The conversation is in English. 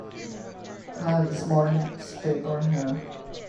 I have this morning’s paper here.